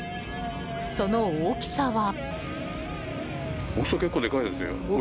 その大きさは。